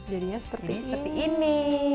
jadinya seperti ini